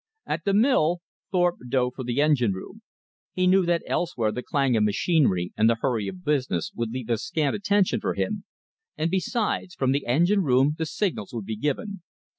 At the mill Thorpe dove for the engine room. He knew that elsewhere the clang of machinery and the hurry of business would leave scant attention for him. And besides, from the engine room the signals would be given.